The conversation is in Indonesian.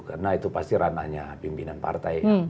karena itu pasti ranahnya pimpinan partai